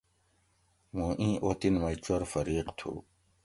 موں ایں اوطن مئ چور فریق تھو